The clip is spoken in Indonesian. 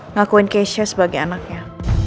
ngakuin keisha sebagai anaknya